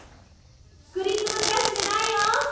クリップごと出すんじゃないよ。